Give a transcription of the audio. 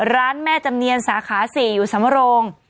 ร้านแม่จำเนียนสาขา๔อยู่สำโรง